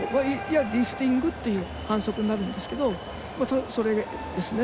リフティングという反則になるんですけどそれですね。